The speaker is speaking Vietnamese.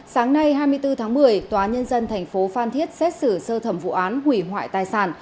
sáng nay hai mươi bốn tháng một mươi tòa nhân dân thành phố phan thiết xét xử sơ thẩm vụ án hủy hoại tài sản